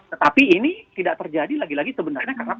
tetapi ini tidak terjadi lagi lagi sebenarnya karena